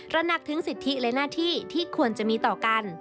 ระหนักถึงสิทธิและหน้าที่ที่ควรจะมีต่อกัน